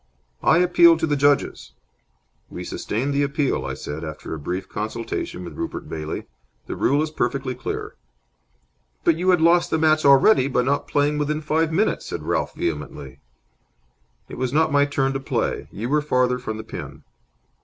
"I appeal to the judges." "We sustain the appeal," I said, after a brief consultation with Rupert Bailey. "The rule is perfectly clear." "But you had lost the match already by not playing within five minutes," said Ralph, vehemently. "It was not my turn to play. You were farther from the pin."